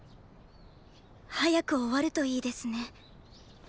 早く終わるといいですね。